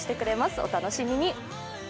お楽しみに。